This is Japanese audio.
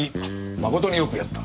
誠によくやった。